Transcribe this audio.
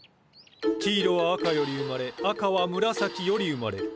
黄色は赤より生まれ赤は紫より生まれる。